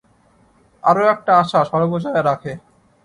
আরও একটা আশা সর্বজয়া রাখে।